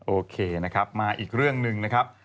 โอเคนะครับมาอีกเรื่องหนึ่งนะครับ